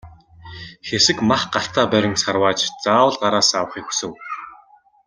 Хэсэг мах гартаа барин сарвайж заавал гараасаа авахыг хүсэв.